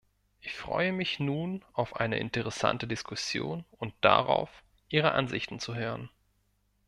Ich freue mich nun auf eine interessante Diskussion und darauf, ihre Ansichten zu hören.